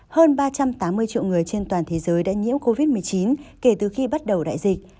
hơn ba trăm tám mươi triệu người trên toàn thế giới đã nhiễm covid một mươi chín kể từ khi bắt đầu đại dịch